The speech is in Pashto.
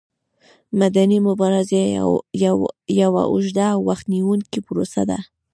مدني مبارزه یوه اوږده او وخت نیوونکې پروسه ده.